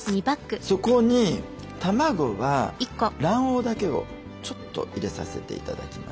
そこに卵は卵黄だけをちょっと入れさせて頂きます。